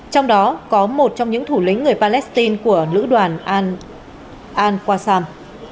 trong đó có một trong những thủ lĩnh người palestine của lữ đoàn al wasam